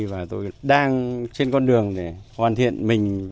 và tôi đang trên con đường để hoàn thiện mình